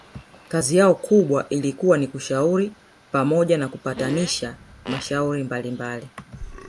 kazi yao kubwa ilikuwa ni kushauri pamoja na kupatanisha mashauri mbalimbali